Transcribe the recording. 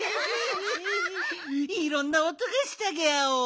いろんなおとがしたギャオ。